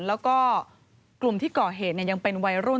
แล้วก็กลุ่มที่ก่อเหตุยังเป็นวัยรุ่น